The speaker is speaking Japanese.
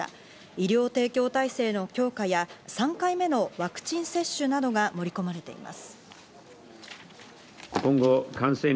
医療提供体制の強化や３回目のワクチン接種などが盛り込まれています。